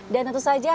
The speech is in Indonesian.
dan tentu saja